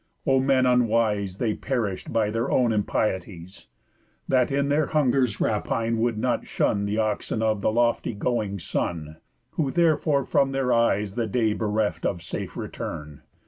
O men unwise, They perish'd by their own impieties! That in their hunger's rapine would not shun The oxen of the lofty going Sun, Who therefore from their eyes the day bereft Of safe return.